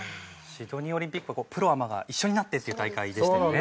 シドニーオリンピックはプロアマが一緒になってっていう大会でしたよね。